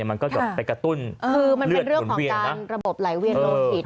มันก็จะไปกระตุ้นเลือดหลวนเวียนคือมันเป็นเรื่องของการระบบไหลเวียนโลหิต